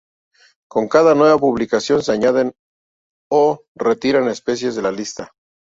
Con cada nueva publicación se añaden o retiran especies de la lista.